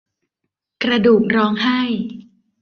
กระดูกร้องไห้